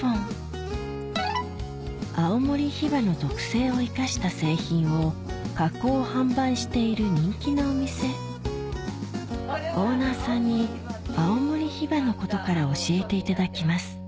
青森ヒバの特性を生かした製品を加工・販売している人気のお店オーナーさんに青森ヒバのことから教えていただきます